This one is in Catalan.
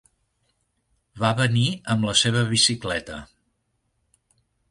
Va venir amb la seva bicicleta.